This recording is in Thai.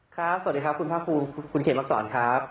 ครับสวัสดีครับคุณพระครูคุณเขตมักศรครับ